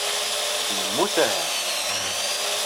Yemmut ahat.